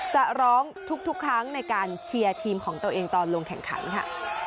จะร้องทุกครั้งในการเชียร์ทีมของตัวเองตอนลงแข่งขันค่ะ